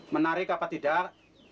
menarik apa tidak